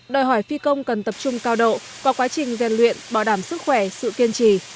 đòi hỏi phi công cần tập trung cao độ vào quá trình gian luyện bảo đảm sức khỏe sự kiên trì